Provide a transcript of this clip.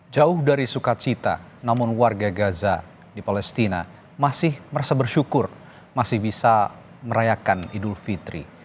jauh dari sukacita namun warga gaza di palestina masih merasa bersyukur masih bisa merayakan idul fitri